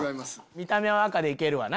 見た目は赤で行けるわな。